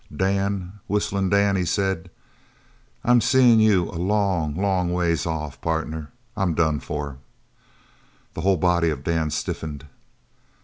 "Dan Whistling Dan," he said, "I'm seeing you a long, long ways off. Partner, I'm done for." The whole body of Dan stiffened.